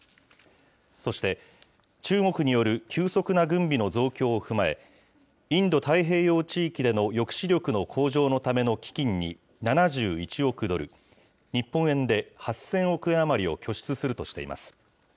そして、中国による急速な軍備の増強を踏まえ、インド太平洋地域での抑止力の向上のための基金に７１億ドル、日本円で８０００億円余りを拠出するとしています。